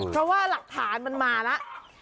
เพราะว่าหลักฐานมันมาแล้ว